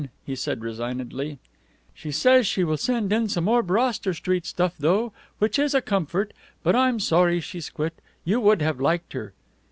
he said resignedly. "She says she will send in some more Broster Street stuff, though, which is a comfort. But I'm sorry she's quit. You would have liked her."